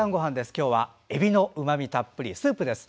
今日は、エビのうま味たっぷりのスープです。